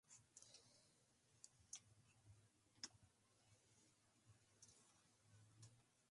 La esclavitud fue el asunto que generó más controversia entre los bautistas.